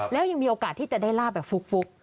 แล้วยังมีโอกาสที่จะได้ลาบแบบฟุก